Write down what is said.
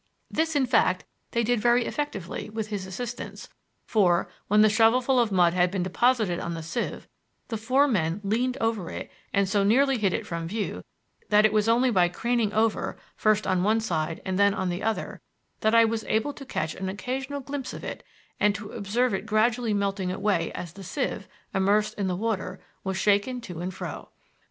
This, in fact, they did very effectively with his assistance, for, when the shovelful of mud had been deposited on the sieve, the four men leaned over it and so nearly hid it from view that it was only by craning over, first on one side and then on the other, that I was able to catch an occasional glimpse of it and to observe it gradually melting away as the sieve, immersed in the water, was shaken to and fro.